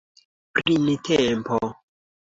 printempo